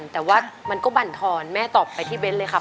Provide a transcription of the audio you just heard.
แต่ว่ามันก็บรรทอนแม่ตอบไปที่เบ้นเลยครับ